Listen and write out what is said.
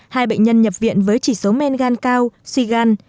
hai bệnh nhân nhập viện với chỉ số men gan cao suy gan